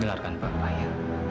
jelarkan papa ya